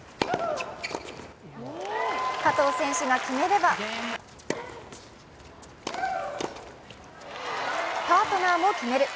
加藤選手が決めればパートナーも決める。